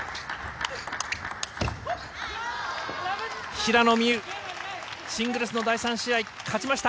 平野美宇、シングルスの第３試合、勝ちました。